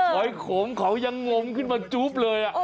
หอยโขงเขายังงมขึ้นมาจุ๊บเลย